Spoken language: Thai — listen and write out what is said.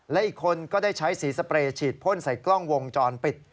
และอีกคนก็ได้ใช้สีสเปรย์ฉีดพ่นใส่กล้องวงจรปิด